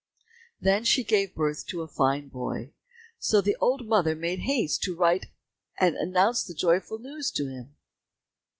Then she gave birth to a fine boy. So the old mother made haste to write and announce the joyful news to him.